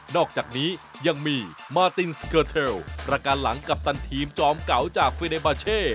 อกจากนี้ยังมีมาตินสเกอร์เทลประกันหลังกัปตันทีมจอมเก่าจากเฟเนบาเช่